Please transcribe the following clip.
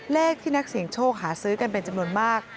เลขที่นักเสี่ยงโชคหาซื้อกันเป็นจำนวนมาก